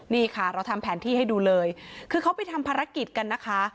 นี่ค่ะเราทำแผนที่ให้ดูเลยคือเขาไปทำภารกิจกันนะคะ